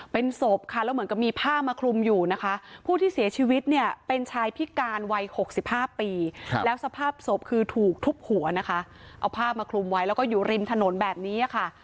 เป็นศพค่ะแล้วเหมือนกับมีผ้ามาคลุมอยู่นะคะผู้ที่เสียชีวิตเนี่ยเป็นชายพิการวัย๖๕ปีแล้วสภาพศพคือถูกทุบหัวนะคะเอาผ้ามาคลุมไว้แล้วก็อยู่ริมถนนแบบนี้ค่ะ